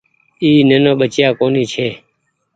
اي نينو ٻچئيآ ڪونيٚ ڇي۔